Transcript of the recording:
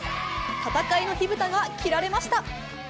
戦いの火蓋が切られました。